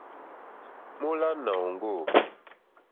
Mólánà òŋɡô.